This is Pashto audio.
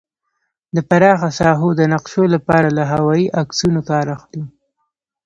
د پراخه ساحو د نقشو لپاره له هوايي عکسونو کار اخلو